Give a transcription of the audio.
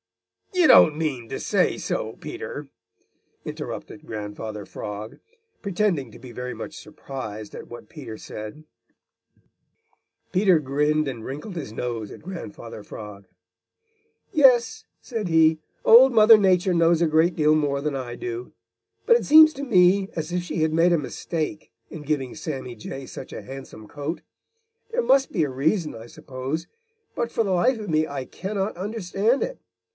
You don't mean to say so, Peter!" interrupted Grandfather Frog, pretending to be very much surprised at what Peter said. [Illustration: "You don't mean to say so, Peter," interrupted Grandfather Frog.] Peter grinned and wrinkled his nose at Grandfather Frog. "Yes," said he, "Old Mother Nature knows a great deal more than I do, but it seems to me as if she had made a mistake in giving Sammy Jay such a handsome coat. There must be a reason, I suppose, but for the life of me I cannot understand it.